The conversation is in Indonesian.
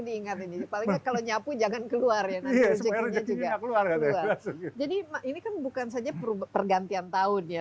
diingatkan kalau nyapu jangan keluar ya jadi ini kan bukan saja perubah pergantian tahunnya